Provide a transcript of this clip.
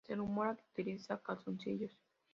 Se rumorea que utiliza calzoncillos.